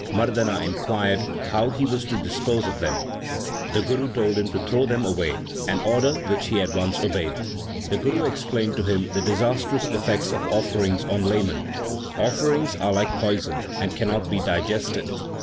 Mardana inquired how he was to dispose of them. The Guru told him to throw them away, an order which he at once obeyed. The Guru explained to him the disastrous effects of offerings on laymen. Offerings are like poison and cannot be digested.